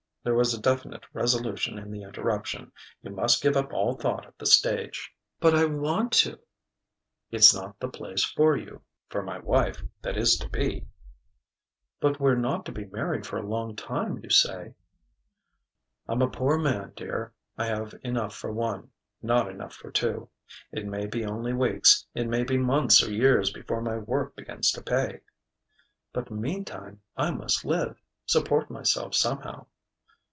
There was definite resolution in the interruption. "You must give up all thought of the stage." "But I want to " "It's not the place for you for my wife that is to be." "But we're not to be married for a long time, you say." "I'm a poor man, dear I have enough for one, not enough for two. It may be only weeks, it may be months or years before my work begins to pay." "But meantime I must live support myself, somehow."